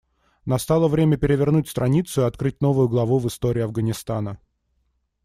Настало время перевернуть страницу и открыть новую главу в истории Афганистана.